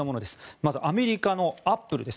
まずアメリカのアップルです。